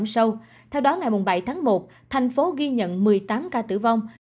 sau theo đó ngày bảy tháng một thành phố ghi nhận một mươi tám ca tử vong